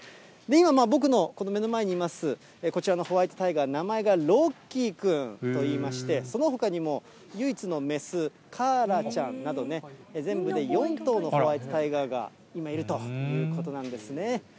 今、僕のこの目の前にいます、こちらのホワイトタイガー、名前がロッキー君といいまして、そのほかにも唯一の雌、カーラちゃんなど、全部で４頭のホワイトタイガーが今、いるということなんですね。